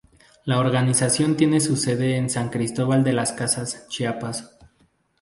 La organización tiene su sede en San Cristóbal de las Casas, Chiapas.